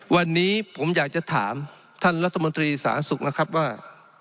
วันนี้ผมอยากจะถามท่านรัฐมนตรีสาธารณสุขนะครับว่า